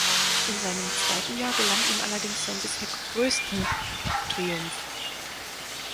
In seinem zweiten Jahr gelang ihm allerdings sein bisher größten Triumph.